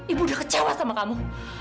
ibu udah kecewa sama kamu